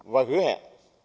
và hứa hẹn